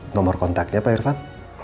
nomor kontaknya pak irfan